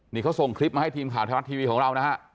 นี่เขาส่งคลิปมาให้ทีมข่าวไทยรัฐทีวีของเรานะฮะ